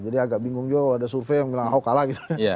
jadi agak bingung juga kalau ada survei yang bilang ahok kalah gitu